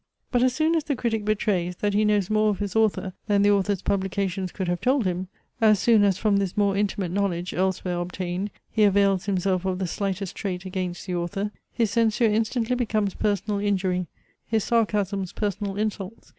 But as soon as the critic betrays, that he knows more of his author, than the author's publications could have told him; as soon as from this more intimate knowledge, elsewhere obtained, he avails himself of the slightest trait against the author; his censure instantly becomes personal injury, his sarcasms personal insults.